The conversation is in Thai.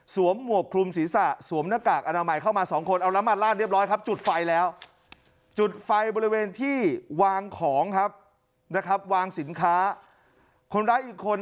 สวมหมวกครุมศีรษะสวมหน้ากากอนามัยเข้ามา๒คน